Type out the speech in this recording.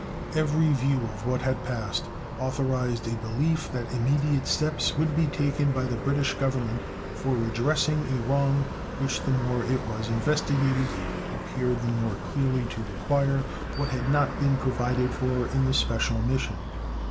Every view of what had passed authorized a belief that immediate steps would be taken by the British Government for redressing a wrong which the more it was investigated appeared the more clearly to require what had not been provided for in the special mission.